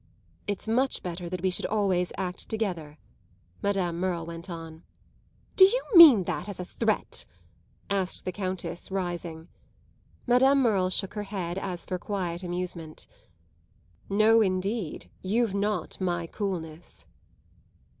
"It's much better that we should always act together," Madame Merle went on. "Do you mean that as a threat?" asked the Countess rising. Madame Merle shook her head as for quiet amusement. "No indeed, you've not my coolness!"